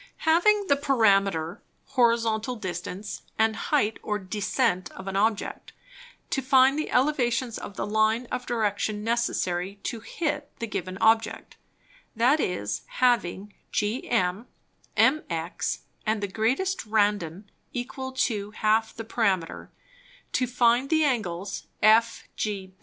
Having the Parameter, Horizontal Distance, and Height or Descent of an Object, to find the Elevations of the Line of Direction necessary to hit the given Object; that is, having GM, MX, and the greatest Randon equal to half the Parameter; to find the Angles FGB.